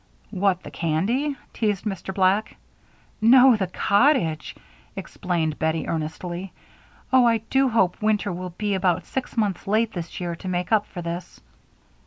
"What, the candy?" teased Mr. Black. "No, the cottage," explained Bettie, earnestly. "Oh, I do hope winter will be about six months late this year to make up for this."